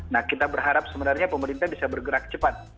nah kita berharap sebenarnya pemerintah bisa bergerak cepat